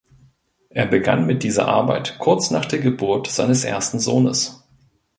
Er begann mit dieser Arbeit kurz nach der Geburt seines ersten Sohnes.